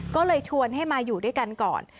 ก็เลยชวนให้มาอยู่ด้วยกันก่อน